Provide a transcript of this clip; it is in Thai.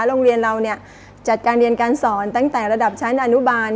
โรงเรียนเราจัดการเรียนการสอนตั้งแต่ระดับชั้นอนุบาล